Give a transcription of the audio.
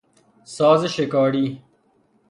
سازشکاری